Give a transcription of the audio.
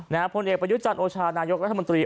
นามพลเอกปรยุจันทร์โอชานายกรัฐบาลมันตรี